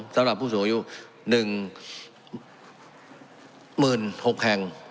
สำหรับสูงอายุ๑๖๐๐๐แห่ง